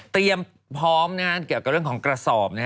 เตรียมพร้อมเกี่ยวกับเรื่องของกระสอบ